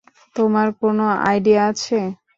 তোমার কোনো আইডিয়া আছে?